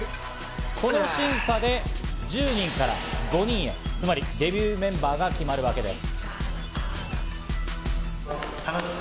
この審査で１０人から５人へ、つまりデビューメンバーが決まるわけです。